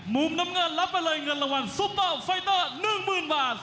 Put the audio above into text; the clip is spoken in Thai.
มุมน้ำเงินรับไปเลยเงินรางวัลซุปเปอร์ไฟเตอร์๑๐๐๐บาท